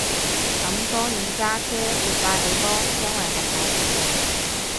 咁當然揸車會快好多，因為係大直路